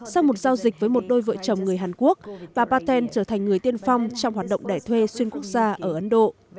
sau một giao dịch với một đôi vợ chồng người hàn quốc bà paten trở thành người tiên phong trong hoạt động đẻ thuê xuyên quốc gia ở ấn độ